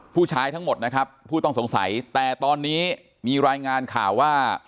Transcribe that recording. ทั้งหมดนะครับผู้ต้องสงสัยแต่ตอนนี้มีรายงานข่าวว่า